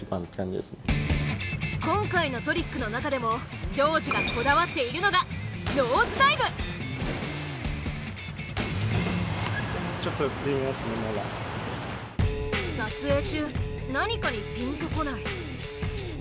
今回のトリックの中でも丈司がこだわっているのが撮影中何かにピンとこない。